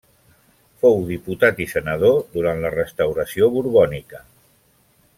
Fou diputat i senador durant la restauració borbònica.